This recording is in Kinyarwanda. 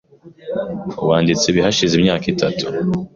Wanditse ibi hashize imyaka itatu .